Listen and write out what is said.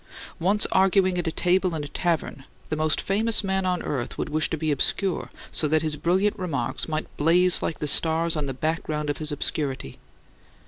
Once arguing at a table in a tavern the most famous man on earth would wish to be obscure, so that his brilliant remarks might blaze like the stars on the background of his obscurity.